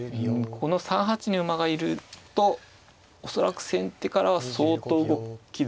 この３八に馬がいると恐らく先手からは相当動きづらいと思います。